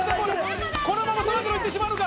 このままそらジロー行ってしまうのか？